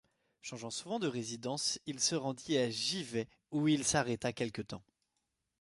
Changeant souvent de résidence, il se rendit à Givet où il s'arrêta quelque temps.